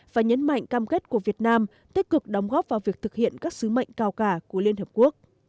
và nhấn mạnh cam kết của việt nam tích cực đóng góp vào việc thực hiện các sứ mệnh cao cả của liên hợp quốc